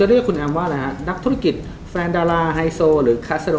อี้คือคุณที่ผมก็ไม่รู้ว่ามีเมื่อไหร่